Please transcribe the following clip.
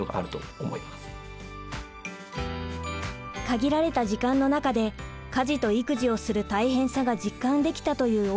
限られた時間の中で家事と育児をする大変さが実感できたという大津さん。